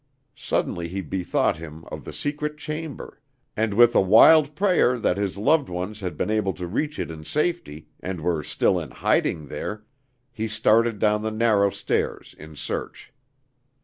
Suddenly he bethought him of the secret chamber, and with a wild prayer that his loved ones had been able to reach it in safety, and were still in hiding there, he started down the narrow stairs in search.